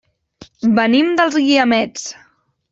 Venim dels Guiamets.